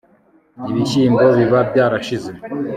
ibishyimbo biba byarashize